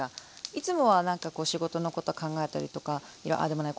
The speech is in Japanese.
いつもはなんかこう仕事のこと考えたりとかああでもない